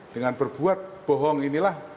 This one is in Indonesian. dengan berbuat bohong inilah